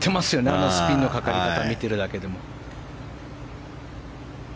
あのスピンのかかり方を見ているだけでも。